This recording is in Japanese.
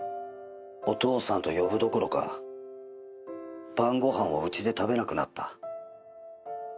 「お父さんと呼ぶどころか晩ご飯をうちで食べなくなった」